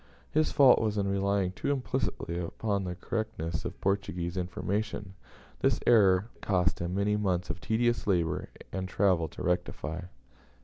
His fault was in relying too implicitly upon the correctness of Portuguese information. This error it cost him many months of tedious labour and travel to rectify.